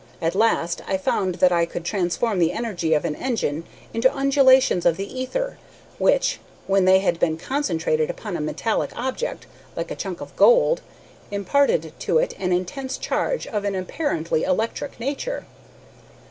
At last I found that I could transform the energy of an engine into undulations of the ether, which, when they had been concentrated upon a metallic object, like a chunk of gold, imparted to it an intense charge of an apparently electric nature.